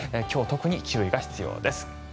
今日、特に注意が必要です。